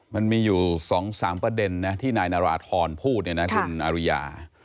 มันมีอยู่๒๓ประเด็นนะที่นายนาราธรพูดเนี่ยนะคุณอาริยา